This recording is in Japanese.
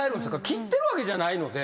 切ってるわけじゃないので。